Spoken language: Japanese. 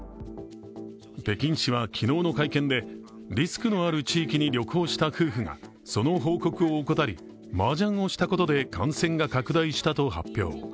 北京市は昨日の会見でリスクのある地域に旅行した夫婦がその報告を怠り、マージャンをしたことで感染が拡大したと発表。